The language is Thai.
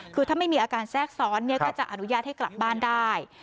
คือถ้าไม่มีอาการแทรกซ้อนก็จะอนุญาตให้กลับบ้านได้